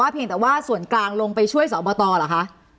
เพียงแต่ว่าส่วนกลางลงไปช่วยสอบตเหรอคะ